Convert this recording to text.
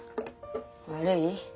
悪い？